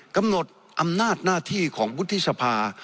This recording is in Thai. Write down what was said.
กำหนดอำนาจหน้าที่ของวุฒิสภา